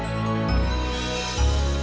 sampai aku berhenti kek